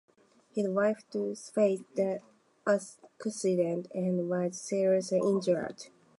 His wife too faced the accident and was seriously injured.